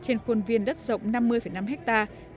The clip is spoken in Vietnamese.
trên khuôn viên đất rộng năm mươi năm hectare